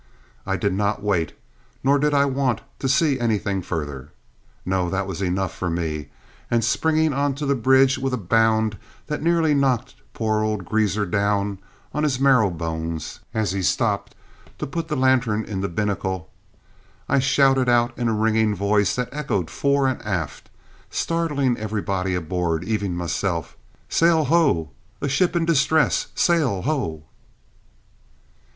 I did not wait, nor did I want, to see anything further. No, that was enough for me; and, springing on to the bridge with a bound that nearly knocked poor old Greazer down on his marrowbones as he stopped to put the lantern into the binnacle, I shouted out in a ringing voice that echoed fore and aft, startling everybody aboard, even myself, "Sail ho! A ship in distress! Sail ho!"